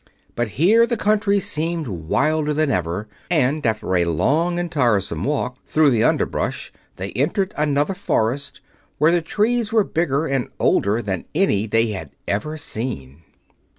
But here the country seemed wilder than ever, and after a long and tiresome walk through the underbrush they entered another forest, where the trees were bigger and older than any they had ever seen.